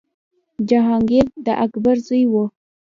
جهانګیر د اکبر زوی و.